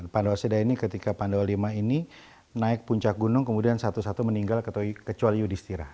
panwasida ini ketika pandawa v ini naik puncak gunung kemudian satu satu meninggal kecuali yudhistira